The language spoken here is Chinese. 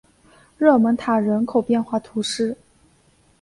勒蒙塔人口变化图示